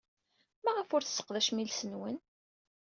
Maɣef ur tesseqdacem iles-nwen?